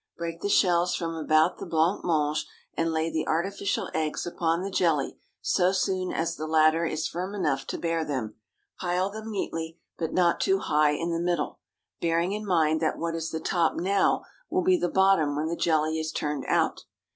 Break the shells from about the blanc mange, and lay the artificial eggs upon the jelly so soon as the latter is firm enough to bear them. Pile them neatly, but not too high in the middle, bearing in mind that what is the top now will be the bottom when the jelly is turned out.